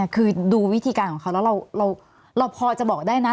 คือดูวิธีการของเขาแล้วเราพอจะบอกได้นะ